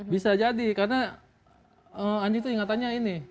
bisa jadi karena anji itu ingatannya ini